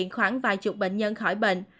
khoảng vài chục bệnh nhân khỏi bệnh